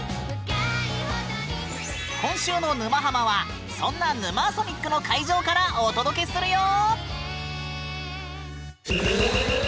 今週の「沼ハマ」はそんな「ヌマーソニック」の会場からお届けするよ！